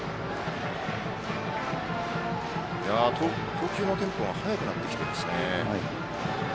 投球のテンポが早くなってきていますね。